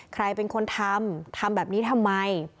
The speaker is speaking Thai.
ใครเป็นคนทำทำแบบนี้ทำไม